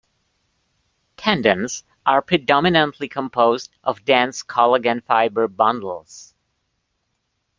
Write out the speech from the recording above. Tendons are predominantly composed of dense collagen fiber bundles.